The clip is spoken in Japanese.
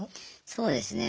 そうですね